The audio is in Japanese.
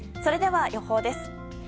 それでは予報です。